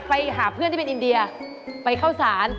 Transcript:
ไปหาเพื่อนที่เป็นอินเดียไปเข้าสาร